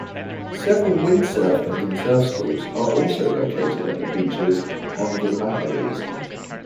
Several windsurfing and surf schools are also located at the beaches on the Maharees.